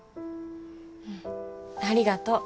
うんありがとう。